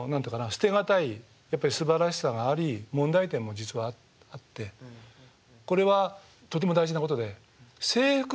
捨てがたいやっぱりすばらしさがあり問題点も実はあってこれはとても大事なことで。